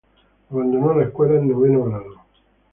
Abandonó la escuela en noveno grado.